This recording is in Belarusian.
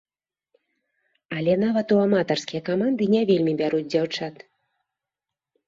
Але нават у аматарскія каманды не вельмі бяруць дзяўчат.